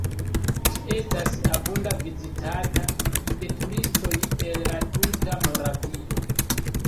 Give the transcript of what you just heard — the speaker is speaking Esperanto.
Ĝi estas abunde vizitata de turistoj el la tuta Moravio.